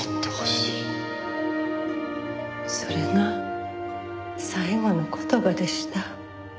それが最後の言葉でした。